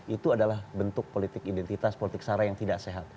itu adalah bentuk politik identitas politik sara yang tidak sehat